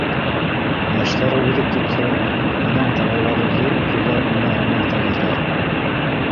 Йәштәре уҙып китһә, унан ҡалалағы ҙур уҡыуға инә алмай ҡалырҙар.